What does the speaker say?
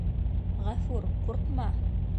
Ғәфүр, ҡурҡма!